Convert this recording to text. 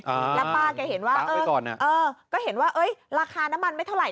แล้วป้าก็เห็นว่าเออก็เห็นว่าราคาน้ำมันไม่เท่าไหร่